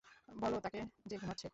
বল তাকে যে ঘুমাচ্ছে।